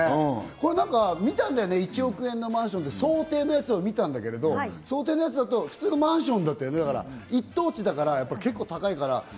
見たんだよね、１億円のマンションって想定のやつを見たんだけど、想定のやつだと普通のマンションだったの、一等地だから結構高いから。